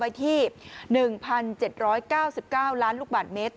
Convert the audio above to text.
ที่๑๗๙๙ล้านลูกบาทเมตร